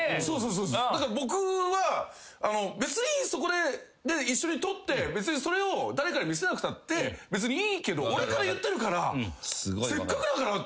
そうだから僕は別にそこで一緒に撮ってそれを誰かに見せなくたって別にいいけど俺から言ってるから。